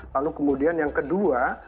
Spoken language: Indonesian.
lalu kemudian yang kedua